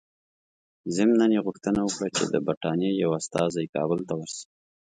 ضمناً یې غوښتنه وکړه چې د برټانیې یو استازی کابل ته ورسي.